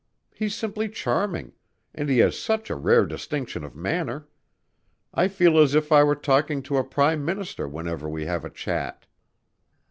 He's simply charming, and he has such a rare distinction of manner. I feel as if I were talking to a Prime Minister whenever we have a chat."